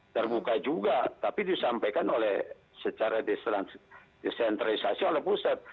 terbuka juga tapi disampaikan oleh secara desentralisasi oleh pusat